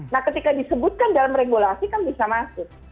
nah ketika disebutkan dalam regulasi kan bisa masuk